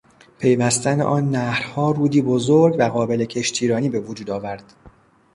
پیوستن آن نهرها رودی بزرگ و قابل کشتیرانی به وجود آورد.